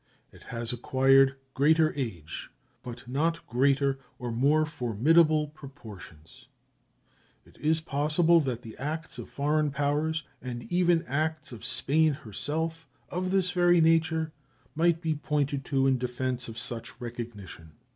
It has acquired greater age, but not greater or more formidable proportions. It is possible that the acts of foreign powers, and even acts of Spain herself, of this very nature, might be pointed to in defense of such recognition.